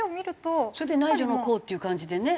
それで内助の功っていう感じでね。